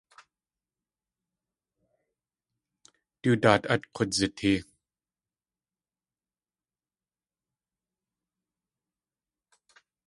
Du daat át k̲udzitee.